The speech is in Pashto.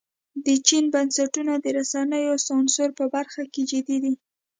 د چین بنسټونه د رسنیو سانسور په برخه کې جدي دي.